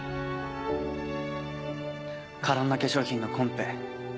カロンナ化粧品のコンペ